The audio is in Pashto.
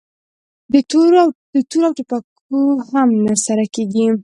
د تورو او ټوپکو هم نه سره کېږي!